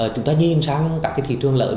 chúng ta nhìn sang các cái thị trường lợi